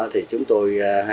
thì chúng tôi